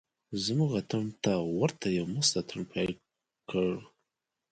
زموږ اتڼ ته ورته یو مست اتڼ پیل کړ.